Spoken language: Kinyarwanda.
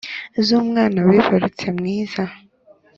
Z’umwana wibarutse mwiza